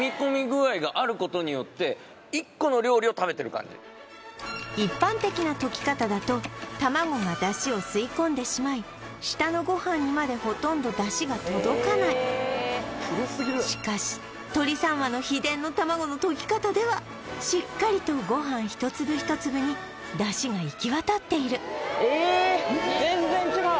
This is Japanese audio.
そう一般的な溶き方だと卵が出汁を吸い込んでしまい下のご飯にまでほとんど出汁が届かないしかし鶏三和の秘伝の卵の溶き方ではしっかりとご飯一粒一粒に出汁が行き渡っているえ全然違う！